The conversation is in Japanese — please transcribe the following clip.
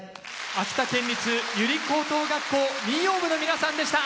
秋田県立由利高等学校民謡部の皆さんでした！